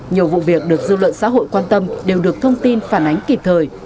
nhiều vụ việc được dư luận xã hội quan tâm đều được thông tin phản ánh kịp thời